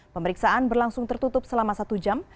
pemeriksaan berlangsung tertutup selama satu jam